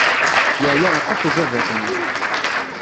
Yeɛya aṭas ubabat-nni.